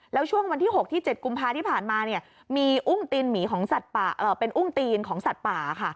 แล้วช่วงวันที่๖ที่๗กุมภาที่ผ่านมามีอุ้งตีนหมีของเป็นอุ้งตีนของสัตว์ป่าค่ะ